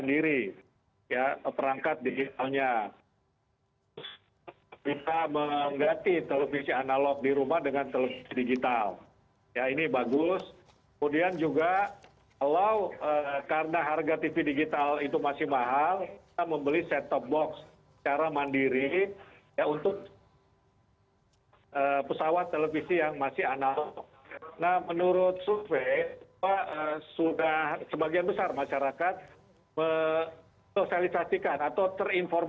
indonesia dan timor leste